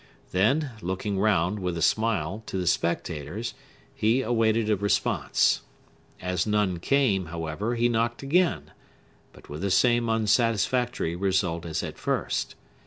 Then, looking round, with a smile, to the spectators, he awaited a response. As none came, however, he knocked again, but with the same unsatisfactory result as at first.